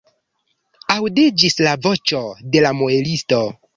Aŭdiĝis la voĉo de la muelisto.